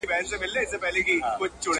چا په غوږ کي را ویله ویده نه سې بندیوانه٫